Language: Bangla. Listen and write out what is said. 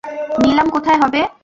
নিলাম কোথায় হবে?